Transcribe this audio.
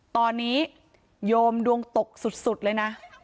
ตอนนี้โยมดวงตกสุดเลยนะ